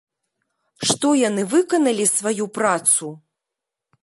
Што яны выканалі сваю працу?